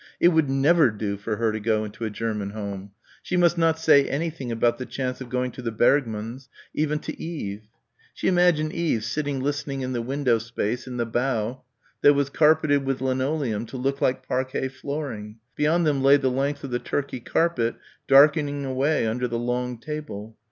It would never do for her to go into a German home. She must not say anything about the chance of going to the Bergmanns' even to Eve. She imagined Eve sitting listening in the window space in the bow that was carpeted with linoleum to look like parquet flooring. Beyond them lay the length of the Turkey carpet darkening away under the long table.